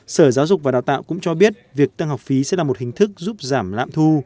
sở giáo dục và đào tạo cũng cho biết việc tăng học phí sẽ là một hình thức giúp giảm lạm thu